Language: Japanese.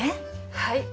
はい。